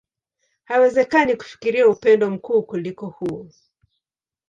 Haiwezekani kufikiria upendo mkuu kuliko huo.